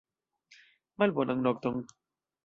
Malbonan nokton!